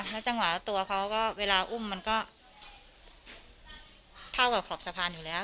แล้วจังหวะตัวเขาก็เวลาอุ้มมันก็เท่ากับขอบสะพานอยู่แล้ว